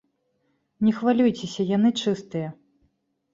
Не хвалюйцеся, яны чыстыя!